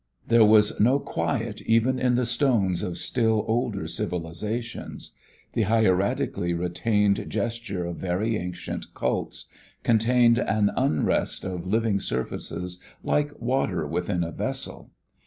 There was no quiet even in the stones of still older civilizations. The hieratically retained gesture of very ancient cults contained an unrest of living surfaces like water within a vessel.